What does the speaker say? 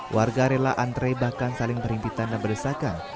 warga rela antre bahkan saling berhimpitan dan berdesakan